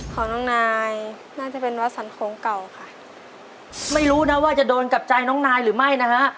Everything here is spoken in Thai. ของน้องนายน่าจะเป็นวัดสันโขงเก่าค่ะไม่รู้นะว่าจะโดนกับใจน้องนายหรือไม่นะฮะ